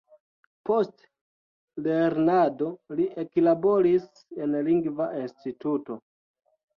Post lernado li eklaboris en lingva instituto.